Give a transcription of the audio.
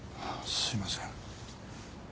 すいません。